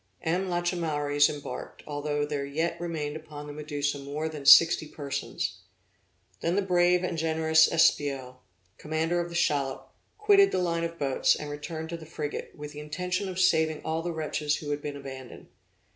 M. Lachaumareys embarked, although there yet remained upon the Medusa more than sixty persons. Then the brave and generous M. Espiau, commander of the shallop, quitted the line of boats, and returned to the frigate, with the intention of saving all the wretches who had been abandoned.